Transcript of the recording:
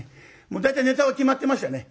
大体ネタは決まってましたね